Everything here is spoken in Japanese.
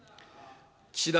岸田